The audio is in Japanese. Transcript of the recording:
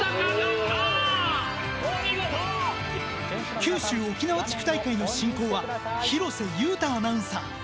九州沖縄地区大会の進行は廣瀬雄大アナウンサー。